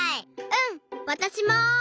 うん！わたしも！